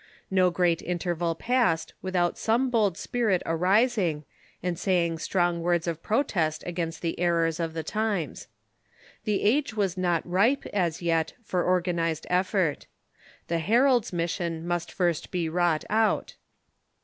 No great interval passed without some bold si^irit arising, and saying strong words of protest against the errors of the times. The age was not ripe, as yet, for or ganized effort. The herald's mission must first be wrought out.